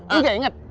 eh lu juga inget